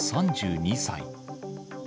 ３２歳。